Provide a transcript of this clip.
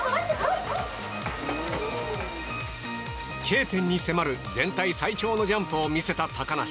Ｋ点に迫る全体最長のジャンプを見せた高梨。